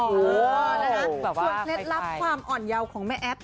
ส่วนเคล็ดลับความอ่อนเยาของแม่แอฟ